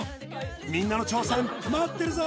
みんなの挑戦待ってるぞ！